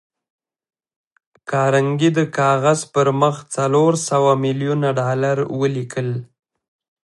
کارنګي د کاغذ پر مخ څلور سوه ميليونه ډالر ولیکل